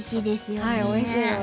はいおいしいので。